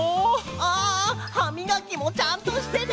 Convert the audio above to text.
あはみがきもちゃんとしてね。